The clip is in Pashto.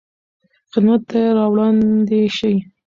خدمت ته یې راوړاندې شئ.